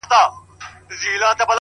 زړگى مي غواړي چي دي خپل كړمه زه!!